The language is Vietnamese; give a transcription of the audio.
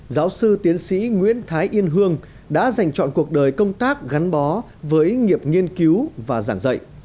giáo sư tiến sĩ nguyễn thái yên hương đã dành chọn cuộc đời công tác gắn bó với nghiệp nghiên cứu và giảng dạy